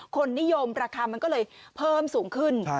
คนนิยมราคามันก็เลยเพิ่มสูงขึ้น